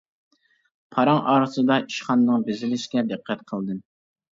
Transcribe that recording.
پاراڭ ئارىسىدا ئىشخانىنىڭ بېزىلىشىگە دىققەت قىلدىم.